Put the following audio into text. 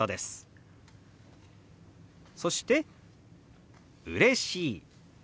そして「うれしい」。